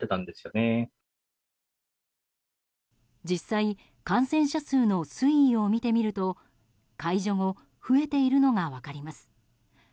実際、感染者数の推移を見てみると解除後、増えているのが分かります。